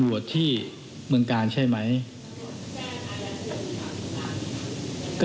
ตำรวจที่เมืองกาลชีวิตนะครับ